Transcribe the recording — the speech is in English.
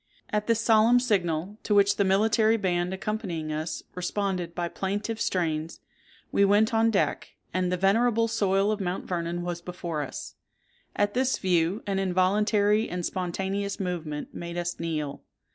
At this solemn signal, to which the military band accompanying us responded by plaintive strains, we went on deck, and the venerable soil of Mount Vernon was before us. At this view, an involuntary and spontaneous movement made us kneel.